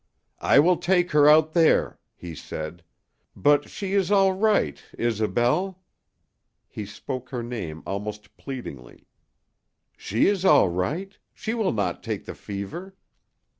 "I will take her out there," he said. "But she is all right Isobel." He spoke her name almost pleadingly. "She is all right. She will not take the fever."